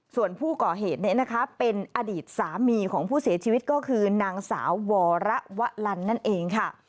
ส่วนผู้ก่อเหตุเป็นอดีตสามีของผู้เสียชีวิตก็คือนางสาววรวะลันนั่นเองค่ะ